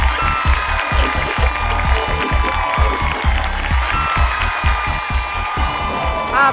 โปรดติดตามตอนต่อไป